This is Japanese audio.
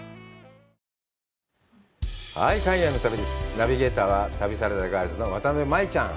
ナビゲーターは、旅サラダガールズの渡辺舞ちゃん。